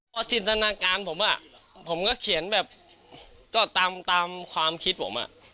พอจินตนาการผมผมก็เขียนแบบก็ตามความคิดผม